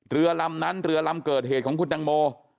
เรือลำนั้นเรือลำเกิดเหตุของคุณตังโม